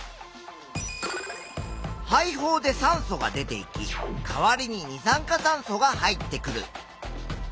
肺胞で酸素が出ていきかわりに二酸化炭素が入ってくる。